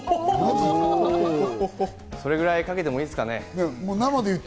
それぐらいかけても、いいですかね。